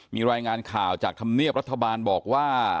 มีรายงานข่าวจากธรรมเนียบรัฐบาลบอกว่า